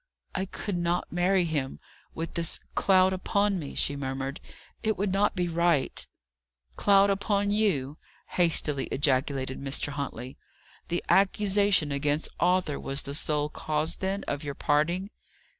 "I could not marry him with this cloud upon me," she murmured. "It would not be right." "Cloud upon you!" hastily ejaculated Mr. Huntley. "The accusation against Arthur was the sole cause, then, of your parting?"